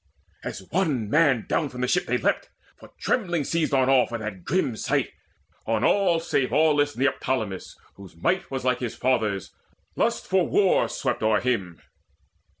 All as one man down from the ship they leapt; For trembling seized on all for that grim sight On all save aweless Neoptolemus Whose might was like his father's: lust of war Swept o'er him.